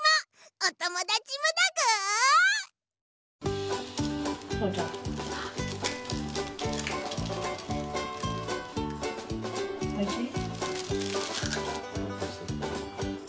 おいしい？